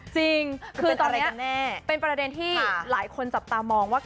จริงคือตอนนี้เป็นประเด็นที่หลายคนจับตามองว่า